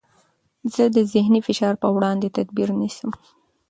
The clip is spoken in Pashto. زه د ذهني فشار پر وړاندې تدابیر نیسم.